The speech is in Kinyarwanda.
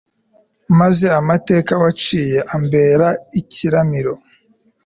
maze amateka waciye ambere ikiramiro